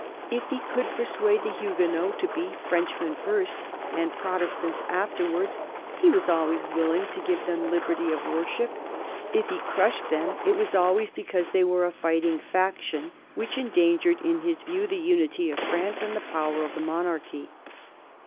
If he could persuade the Huguenots to be "Frenchmen first and Protestants afterwards," he was always willing to give them liberty of worship. If he crushed them, it was because they were a fighting faction which endangered, in his view, the unity of France and the power of the monarchy.